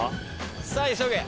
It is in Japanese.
さぁ急げ。